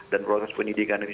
dan proses penyidikan ini